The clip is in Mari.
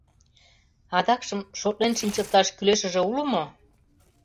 Адакшым шотлен шинчылташ кӱлешыже уло мо?..